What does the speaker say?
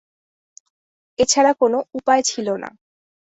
এছাড়া কোনো উপায় ছিল না।